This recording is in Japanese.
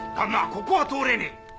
ここは通れねえ。